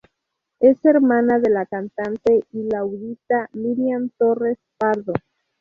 Es hermana de la cantante y laudista Miriam Torres-Pardo.